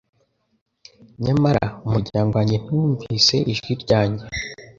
Nyamara umuryango wanjye ntiwumvise ijwi ryanjye